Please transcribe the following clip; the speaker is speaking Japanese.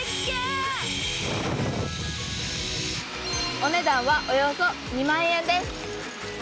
お値段はおよそ２万円です。